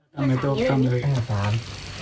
ทำไมต้องทำในอาหาร